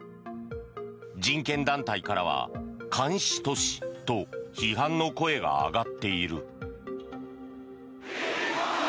人権団体からは監視都市と批判の声が上がっている。